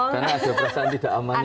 karena ada perasaan tidak aman yang disini